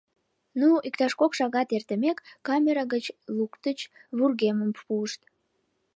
— Ну, иктаж кок шагат эртымек, камера гыч луктыч, вургемым пуышт.